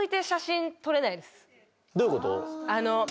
どういうこと？